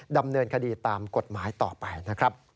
ดำเนินคดีตามกฎหมายต่อไปนะครับ